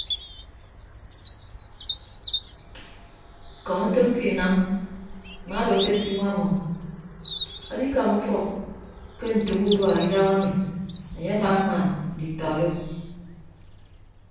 Ọkọm utom ke inam mma odo akesinwam o adikama ufọk ke ntәk urua idaha ami anye amaaman nditọ do.